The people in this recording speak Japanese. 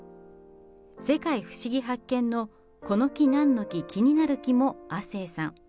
世界ふしぎ発見！のこの木なんの木気になる木も亜星さん。